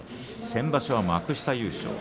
先場所は幕下優勝。